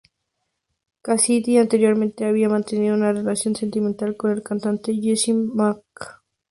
Cassidy anteriormente había mantenido una relación sentimental con el cantante Jesse McCartney.